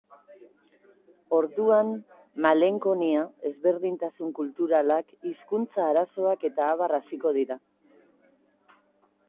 Orduan, malenkonia, ezberdintasun kulturalak, hizkuntza arazoak eta abar hasiko dira.